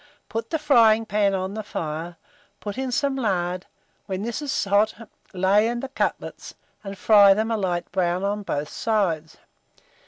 Put the frying pan on the fire, put in some lard; when this is hot, lay in the cutlets, and fry them a light brown on both sides.